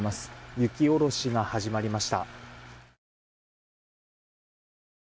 雪下ろしが始まりました。